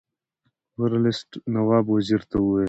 ورلسټ نواب وزیر ته وویل.